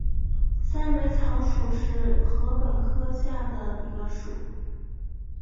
三蕊草属是禾本科下的一个属。